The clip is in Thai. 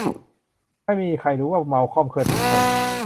ไม่มีใครรู้ว่า มัลคอม เคยเป็นใคร